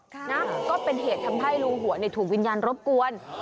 นะก็เป็นเหตุทำให้ลุงหัวเนี่ยถูกวิญญาณรบกวน